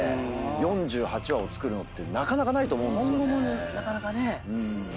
４８話を作るのってなかなかないと思うんですよね。